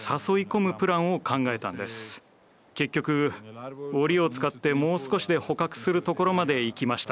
結局檻を使ってもう少しで捕獲するところまでいきました。